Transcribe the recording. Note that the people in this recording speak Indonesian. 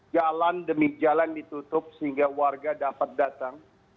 jalan demi jalan ditutup sehingga warga dapat datang